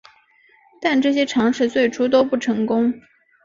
但这些尝试最初都不成功。